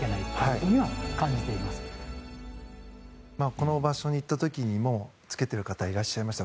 この場所に行った時にも着けている方いらっしゃいました。